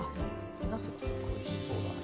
おいしそうだな。